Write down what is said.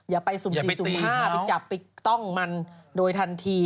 อย่าไปสุ่ม๔สุ่ม๕ไปจับไปกล้องมันโดยทันที